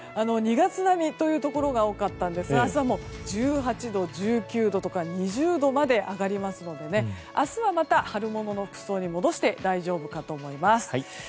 ２月並みというところが多かったんですが明日は１８度、１９度とか２０度まで上がりますので明日はまた春物の服装に戻して大丈夫かと思います。